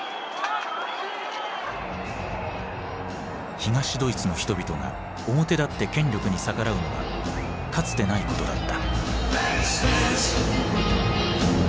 東ドイツの人々が表立って権力に逆らうのはかつてないことだった。